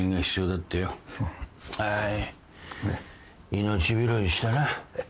命拾いしたな。